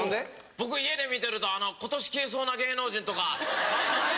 僕家で見てると今年消えそうな芸能人とか。